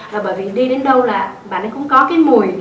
là bởi vì đi đến đâu là bà nó cũng có cái mùi